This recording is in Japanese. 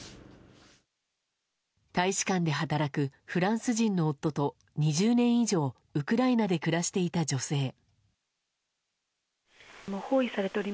大使館で働くフランス人の夫と２０年以上ウクライナで暮らしていた女性。